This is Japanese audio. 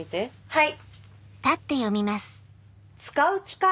はい。